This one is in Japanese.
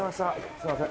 すいません